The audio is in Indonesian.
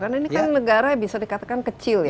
karena ini kan negara bisa dikatakan kecil ya